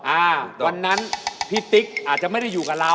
อ่าวันนั้นพี่ติ๊กอาจจะไม่ได้อยู่กับเรา